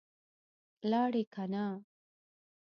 لاړې که نه؟